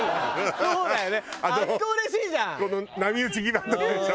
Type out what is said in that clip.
そうだよね！